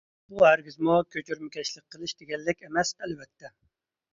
بۇ ھەرگىزمۇ كۆچۈرمىكەشلىك قىلىش دېگەنلىك ئەمەس ئەلۋەتتە.